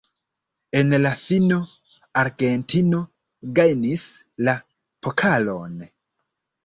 En la fino, Argentino gajnis la pokalon.